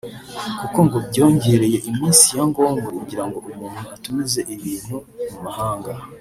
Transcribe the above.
kuko ngo byongereye iminsi ya ngombwa kugira ngo umuntu atumize ibintu mu mahanga